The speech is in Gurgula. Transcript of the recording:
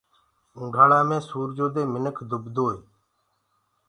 اونڍآݪآ مي سورجو دي دُبدوئي۔